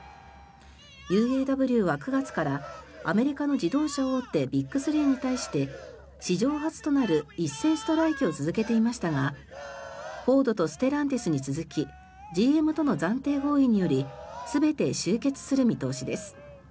ＵＡＷは９月からアメリカの自動車大手ビッグスリーに対して史上初となる一斉ストライキを続けていましたがフォードとステランティスに続きＧＭとの暫定合意により全て終結する見通しです。